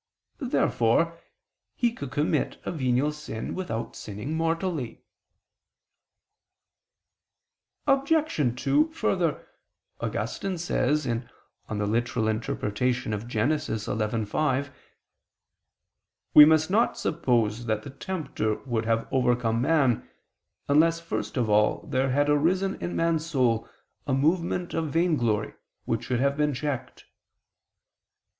Therefore he could commit a venial sin without sinning mortally. Obj. 2: Further Augustine says (Gen. ad lit. xi, 5): "We must not suppose that the tempter would have overcome man, unless first of all there had arisen in man's soul a movement of vainglory which should have been checked."